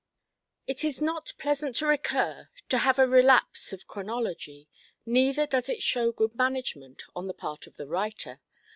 It is not pleasant to recur, to have a relapse of chronology, neither does it show good management on the part of a writer.